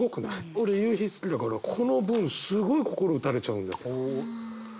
俺夕日好きだからこの文すごい心打たれちゃうんだけど。